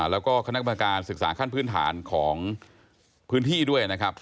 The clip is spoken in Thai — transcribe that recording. แล้วก็คณะกรรมการศึกษาขั้นพื้นฐานของพื้นที่ด้วยนะครับ